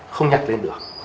không nhặt lên được